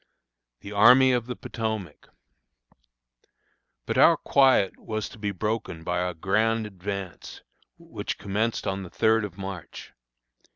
THE ARMY OF THE POTOMAC. But our quiet was to be broken by our grand advance, which commenced on the 3d of March.